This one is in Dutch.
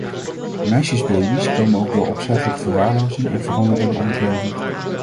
Meisjesbaby's komen ook door opzettelijke verwaarlozing en verhongering om het leven.